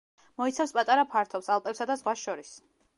მოიცავს პატარა ფართობს, ალპებსა და ზღვას შორის.